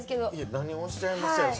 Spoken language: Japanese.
何をおっしゃいますやら。